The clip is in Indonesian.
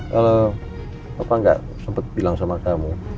kalau bapak gak sempet bilang sama kamu